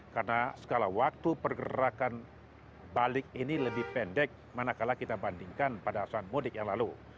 karena skala waktu pergerakan balik ini lebih pendek manakala kita bandingkan pada saat mudik yang lalu